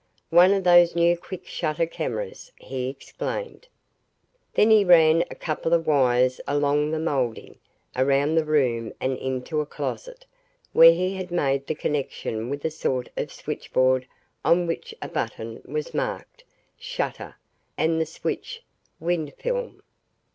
"One of those new quick shutter cameras," he explained. Then he ran a couple of wires along the moulding, around the room and into a closet, where he made the connection with a sort of switchboard on which a button was marked, "SHUTTER" and the switch, "WIND FILM."